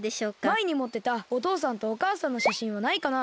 まえにもってたおとうさんとおかあさんのしゃしんはないかな。